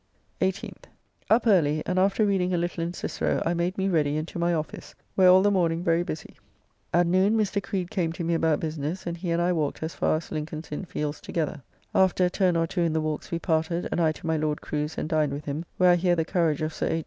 18th. Up early; and after reading a little in Cicero, I made me ready and to my office, where all the morning very busy. At noon Mr. Creed came to me about business, and he and I walked as far as Lincoln's Inn Fields together. After a turn or two in the walks we parted, and I to my Lord Crew's and dined with him; where I hear the courage of Sir H.